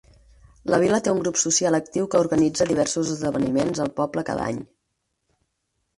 La vila té un grup social actiu que organitza diversos esdeveniments al poble cada any.